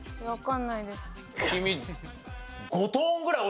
君。